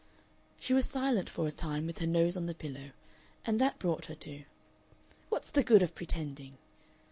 She was silent for a time, with her nose on the pillow, and that brought her to: "What's the good of pretending?